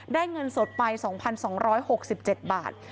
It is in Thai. เงินสดไป๒๒๖๗บาท